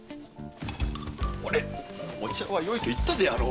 これお茶はよいと言ったであろう。